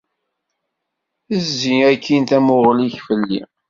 Zzi akkin tamuɣli-k fell-i.